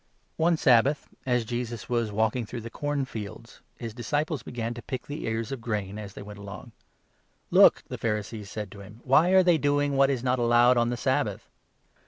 One Sabbath, as Jesus was walking through the corn 23 fields, his disciples began to pick the ears of wheat as they went along. " Look !" the Pharisees said to him, " why are they doing 24 what is not allowed on the Sabbath